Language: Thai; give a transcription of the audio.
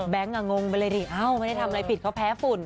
แบงค์อ่ะงงไปเลยเอ้าไม่ได้ทำอะไรผิดเขาแพ้ฝุ่น